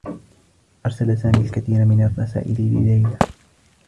أرسل سامي الكثير من الرّسائل لليلى.